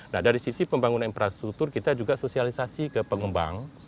nah dari sisi pembangunan infrastruktur kita juga sosialisasi ke pengembang